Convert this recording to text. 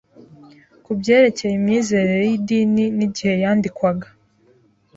ku byerekeye imyizerere yidini igihe yandikwaga